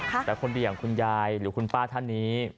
แต่คนดีอย่างคุณยายหรือคุณป้าท่านนี้